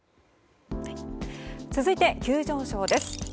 続いて、急上昇です。